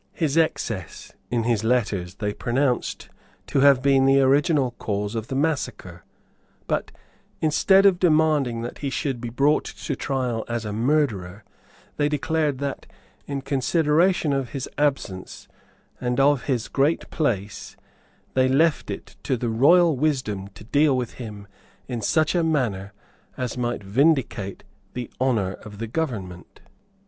His excess in his letters they pronounced to have been the original cause of the massacre; but, instead of demanding that he should be brought to trial as a murderer, they declared that, in consideration of his absence and of his great place, they left it to the royal wisdom to deal with him in such a manner as might vindicate the honour of the government.